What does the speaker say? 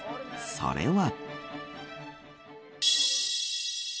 それは。